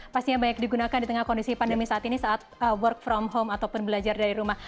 pastinya banyak digunakan di tengah kondisi pandemi saat ini saat work from home ataupun belajar dari rumah